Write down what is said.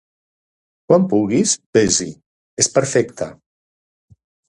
quan puguis ves-hi, és perfecte.